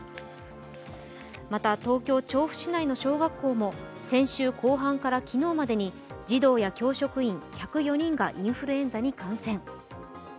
また東京・調布市内の小学校も先週後半から昨日までに児童や教職員１０４人がインフルエンザに感染。